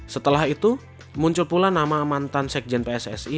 setelah itu muncul pula nama mantan sekjen pssi